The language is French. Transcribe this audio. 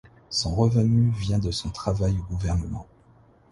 Son revenu vient de son travail au gouvernement.